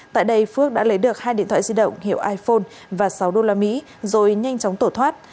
tại đây phước đã lấy được hai điện thoại di động hiệu iphone và sáu usd rồi nhanh chóng tổ thoát